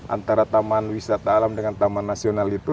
antara taman wisata alam dan taman wisata alam